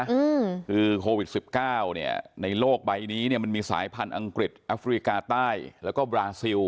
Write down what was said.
คือโควิด๑๙ในโลกใบนี้มันมีสายพันธุ์อังกฤษอฟริกาใต้แล้วก็บราซิล